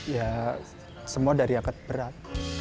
ya semua dari angkat berat